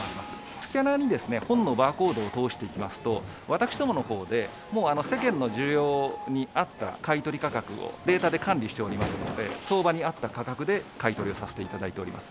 スキャナー日本のバーコードを通していきますと、私どものほうで、もう世間の需要に合った買い取り価格をデータで管理しておりますので、相場に合った価格で買い取りをさせていただいております。